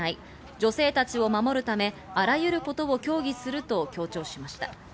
女性たちを守るためあらゆることを協議すると強調しました。